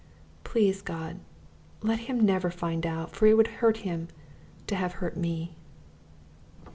Please, God, never let him find out, for it would hurt him to have hurt me!